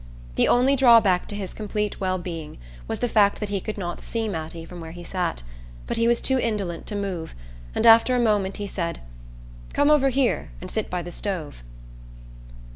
The only drawback to his complete well being was the fact that he could not see Mattie from where he sat; but he was too indolent to move and after a moment he said: "Come over here and sit by the stove."